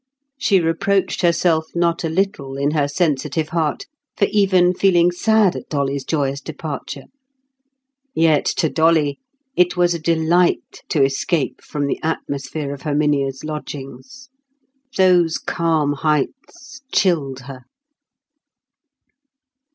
She reproached herself not a little in her sensitive heart for even feeling sad at Dolly's joyous departure. Yet to Dolly it was a delight to escape from the atmosphere of Herminia's lodgings. Those calm heights chilled her.